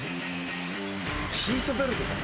シートベルトか。